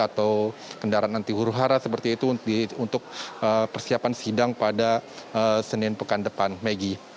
atau kendaraan anti huru hara seperti itu untuk persiapan sidang pada senin pekan depan maggie